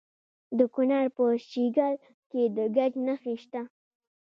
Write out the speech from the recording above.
د کونړ په شیګل کې د ګچ نښې شته.